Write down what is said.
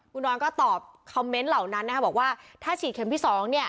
คุณดอนก็ตอบคอมเมนต์เหล่านั้นนะคะบอกว่าถ้าฉีดเข็มที่สองเนี่ย